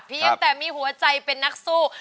เพียงแต่มีหัวใจเป็นนักสู้